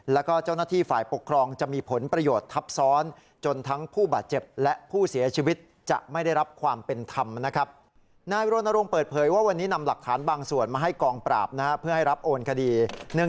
และเจ้าหน้าที่ฝ่ายปกครอง